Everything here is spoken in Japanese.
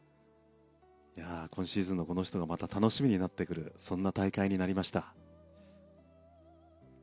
今シーズンのこの人はまた楽しみになってくるそんな大会になりました。